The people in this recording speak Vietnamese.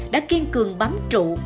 đã kiên cường bám trụ